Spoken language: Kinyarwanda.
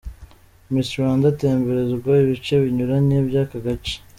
Miss Rwanda atemberezwa ibice binyuranye by'aka gace.